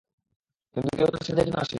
কিন্তু কেউ তার সাহায্যের জন্য আসেনি।